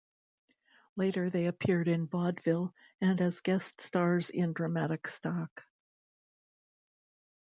Later they appeared in vaudeville and as guest stars in dramatic stock.